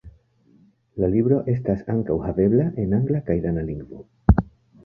La libro estas ankaŭ havebla en angla kaj dana lingvo.